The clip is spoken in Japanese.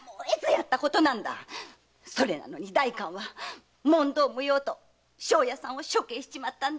それをお代官は「問答無用」と庄屋さんを処刑しちまったんだ。